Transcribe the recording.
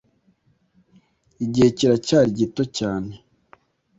igihe kiracyari gito cyane;